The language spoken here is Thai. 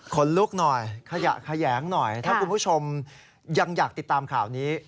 ลุกหน่อยขยะแขยงหน่อยถ้าคุณผู้ชมยังอยากติดตามข่าวนี้